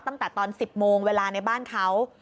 ตั้งแต่ตอน๑๐โมงเวลาในบ้านเขา